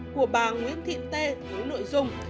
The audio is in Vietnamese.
của bà nguyễn thị tê với nội dung